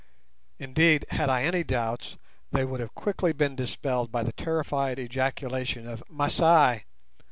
Indeed, had I had any doubts, they would have quickly been dispelled by the terrified ejaculation of "_Masai!